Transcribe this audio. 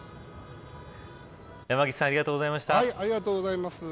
山岸さんありがとうございました。